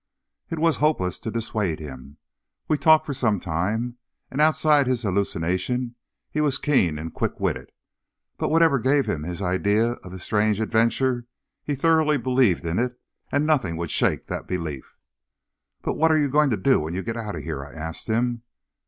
It was hopeless to dissuade him. We talked for some time, and outside his hallucination he was keen and quick witted. But whatever gave him his idea of his strange adventure he thoroughly believed in it and nothing would shake that belief. "What are you going to do when you get out of here?" I asked him.